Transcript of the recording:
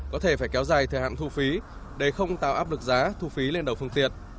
có thể phải kéo dài thời hạn thu phí để không tạo áp lực giá thu phí lên đầu phương tiện